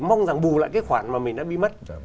mong rằng bù lại cái khoản mà mình đã bị mất